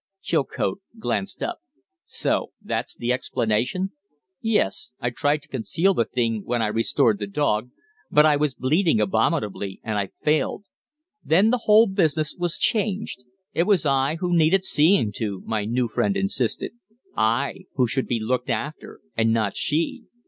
Chilcote glanced up. "So that's the explanation?" "Yes. I tried to conceal the thing when I restored the dog, but I was bleeding abominably and I failed. Then the whole business was changed. It was I who needed seeing to, my new friend insisted; I who should be looked after, and not she.